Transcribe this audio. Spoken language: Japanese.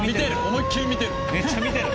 思いっきり見てる！